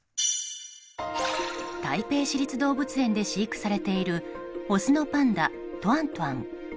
台北市立動物園で飼育されているオスのパンダトゥアントゥアン。